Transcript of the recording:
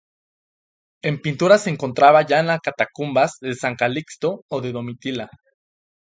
En pintura se encontraba ya en la catacumbas de San Calixto o de Domitila.